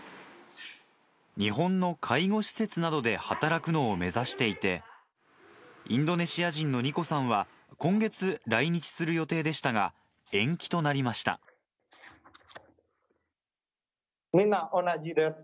日本の介護施設などで働くのを目指していて、インドネシア人のニコさんは今月、来日する予定でしたが、延期となみんな同じです。